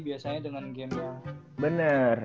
biasanya dengan game nya